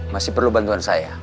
masih perlu bantuan saya